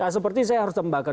seperti saya harus tembakan